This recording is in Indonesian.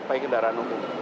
baik kendaraan umum